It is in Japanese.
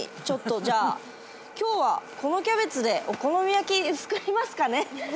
ちょっとじゃあ今日はこのキャベツでお好み焼き作りますかね。